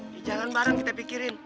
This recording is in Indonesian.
di jalan bareng kita pikirin